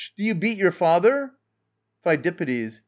do you beat your own father! PHIDIPPIDES.